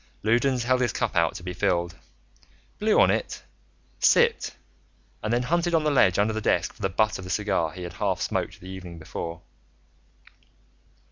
Loudons held his cup out to be filled, blew on it, sipped, and then hunted on the ledge under the desk for the butt of the cigar he had half smoked the evening before.